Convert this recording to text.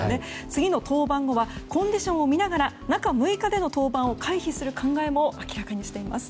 次の登板はコンディションを見ながら中６日での登板を回避する考えも明らかにしています。